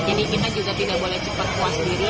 jadi kita juga tidak boleh cepat puas diri